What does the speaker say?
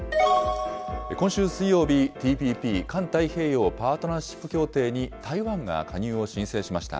今週水曜日、ＴＰＰ・環太平洋パートナーシップ協定に台湾が加入を申請しました。